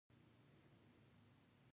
ولې یې مونث وایاست او لیکئ یې.